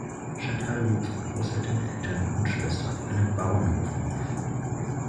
Chantal wuchs mit Großeltern, Eltern und Schwester auf einem Bauernhof auf.